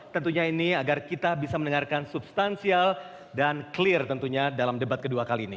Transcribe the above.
tentunya ini agar kita bisa mendengarkan substansial dan clear tentunya dalam debat kedua kali ini